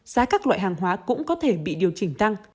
giá các loại hàng hóa cũng có thể bị điều chỉnh tăng